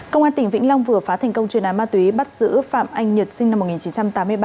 công an tỉnh vĩnh long vừa phá thành công chuyên án ma túy bắt giữ phạm anh nhật sinh năm một nghìn chín trăm tám mươi ba